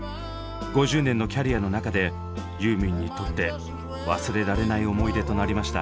５０年のキャリアの中でユーミンにとって忘れられない思い出となりました。